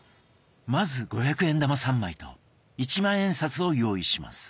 まず五百円玉３枚と一万円札を用意します。